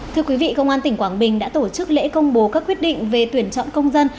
thưa quý vị công an tỉnh quảng bình đã tổ chức lễ công bố các quyết định về tuyển chọn công dân